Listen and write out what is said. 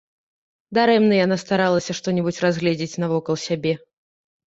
Дарэмна яна старалася што-небудзь разгледзець навокал сябе.